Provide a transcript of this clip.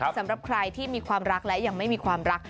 สำหรับใครที่มีความรักและยังไม่มีความรัก